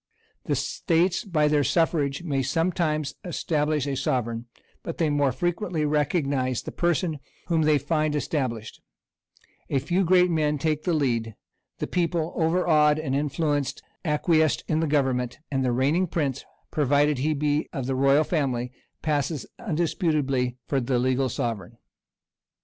The states by their suffrage may sometimes establish a sovereign; but they more frequently recognize the person whom they find established: a few great men take the lead; the people, overawed and influenced, acquiesce in the government; and the reigning prince, provided he be of the royal family, passes undisputedly for the legal sovereign.